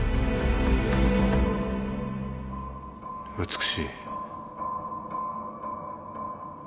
美しい。